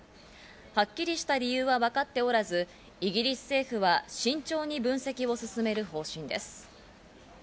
はっきりとした理由は分かっておらず、イギリス政府は慎重に分析を進める方針です。